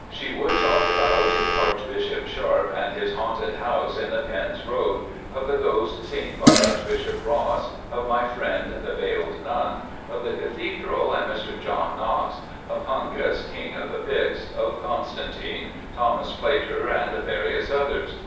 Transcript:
She would talk about Archbishop Sharpe and his haunted house in the Pends Road, of the ghost seen by Archbishop Ross, of my friend the Veiled Nun, of the Cathedral and Mr John Knox, of Hungus, King of the Picts, of Constantine, Thomas Plater, and various others.